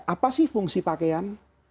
apa sih fungsi pakaian